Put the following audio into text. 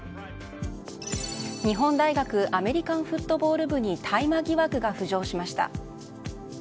日本大学アメリカンフットボール部に大麻疑惑が浮上しました。